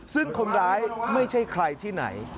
ซึ่งคนร้ายไม่ใช่ใครที่ไหน